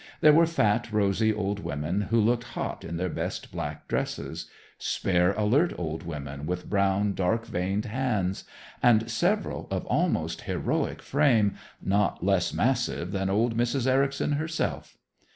There were fat, rosy old women who looked hot in their best black dresses; spare, alert old women with brown, dark veined hands; and several of almost heroic frame, not less massive than old Mrs. Ericson herself.